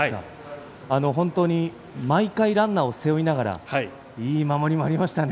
本当に毎回ランナーを背負いながらいい守りもありましたね。